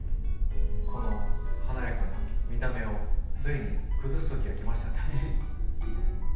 この華やかな見た目をついに崩す時が来ましたね。